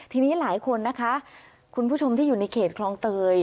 ทีนี้หลายคนนะคะคุณผู้ชมที่อยู่ในเขตคลองเตย